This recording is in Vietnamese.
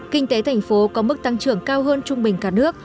kinh tế thành phố có mức tăng trưởng cao hơn trung bình cả nước